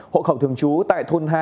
hộ khẩu thường trú tại thôn hai